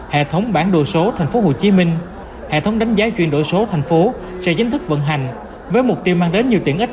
hệ thống đánh giá chuyển đổi số tp hcm sẽ chính thức vận hành với mục tiêu mang đến nhiều tiện ích